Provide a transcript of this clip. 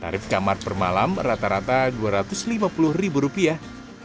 tarif kamar per malam rata rata dua ratus lima puluh ribu rupiah